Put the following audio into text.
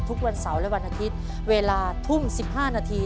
ทุกวันเสาร์และวันอาทิตย์เวลาทุ่ม๑๕นาที